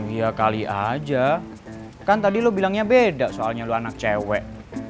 iya kali aja kan tadi lo bilangnya beda soalnya lo anak cewek